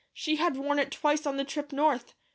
She had worn it twice on the trip North.